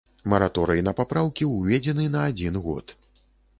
Мараторый на папраўкі ўведзены на адзін год.